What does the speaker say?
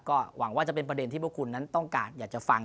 ก็หวังว่าจะเป็นประเด็นที่พวกคุณนั้นต้องการอยากจะฟัง